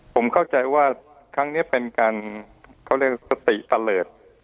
ผมเข้าใจว่าครั้งนี้เป็นการเขาเรียกสติตะเลิศ